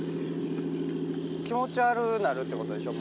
気持ち悪うなるってことでしょ